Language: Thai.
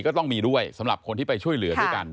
ก็ต้องมีด้วยสำหรับคนที่ไปช่วยเหลือด้วยกัน